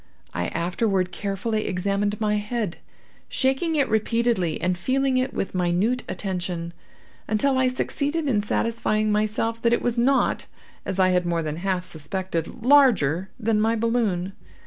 I afterward carefully examined my head, shaking it repeatedly, and feeling it with minute attention, until I succeeded in satisfying myself that it was not, as I had more than half suspected, larger than my balloon.